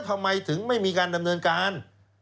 ทำไมถึงไม่มีการดำเนินการ